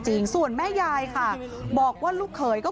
ปี๖๕วันเกิดปี๖๔ไปร่วมงานเช่นเดียวกัน